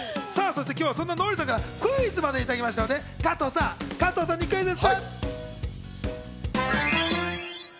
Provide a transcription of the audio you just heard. そして今日はそんなノリさんからクイズまでいただきましたので加藤さんにクイズッス。